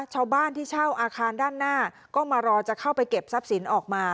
ชาวบ้านที่เช่าอาคารด้านหน้าก็มารอจะเข้าไปเก็บทรัพย์สินออกมา